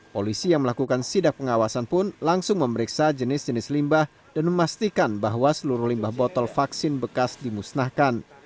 polisi yang melakukan sidak pengawasan pun langsung memeriksa jenis jenis limbah dan memastikan bahwa seluruh limbah botol vaksin bekas dimusnahkan